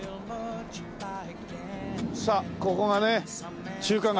さあここがね中華街。